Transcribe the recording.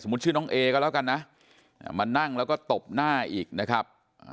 ชื่อน้องเอก็แล้วกันนะมานั่งแล้วก็ตบหน้าอีกนะครับ